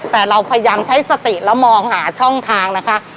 แต่เราพยายามใช้สติแล้วมองหาช่องทางนะคะ